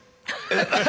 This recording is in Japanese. えっ。